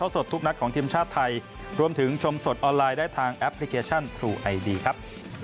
สวัสดีครับ